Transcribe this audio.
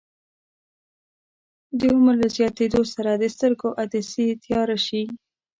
د عمر له زیاتیدو سره د سترګو عدسیې تیاره شي.